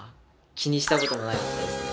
気にしたこともないですね。